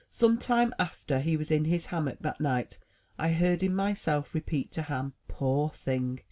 Some time after he was in his hammock that night, I heard him myself repeat to Ham, Poor thing!